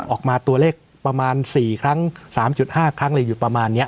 ออกมาตัวเลขประมาณสี่ครั้งสามจุดห้าครั้งเลยอยู่ประมาณเนี้ย